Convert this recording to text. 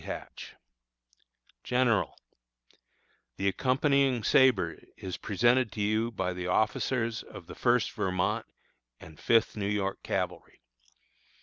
Hatch_: GENERAL: The accompanying sabre is presented to you by the officers of the First Vermont and Fifth New York Cavalry.